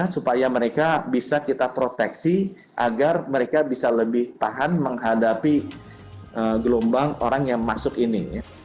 supaya mereka bisa kita proteksi agar mereka bisa lebih tahan menghadapi gelombang orang yang masuk ini